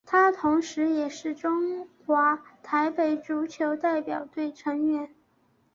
他同时也是中华台北足球代表队成员。